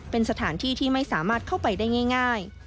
เป็นสถานที่ที่ไม่สามารถเข้าไปได้ง่าย